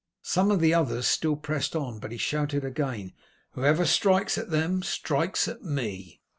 Some of the others still pressed on, but he shouted again: "Whoever strikes at them strikes at me!"